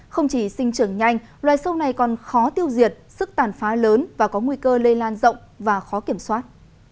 không chỉ sinh trưởng nhanh loài sâu này còn khó tiêu diệt sức tàn phá lớn và có nguy cơ lây lan rộng và khó kiểm soát